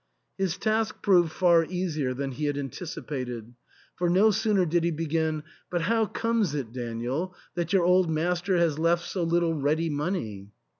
His task proved far easier than he had anticipated, for no sooner did he begin, " But how comes it, Daniel, that your old master has left so little ready money